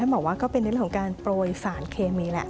ท่านหมอว่าก็เป็นเรื่องของการโปรยฝ่านเคมีล่ะ